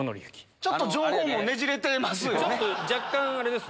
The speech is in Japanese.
ちょっと情報もねじれてます若干あれですね。